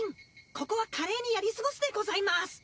ここは華麗にやり過ごすでございます！